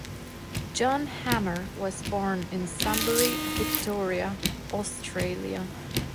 John Hammer was born in Sunbury, Victoria, Australia.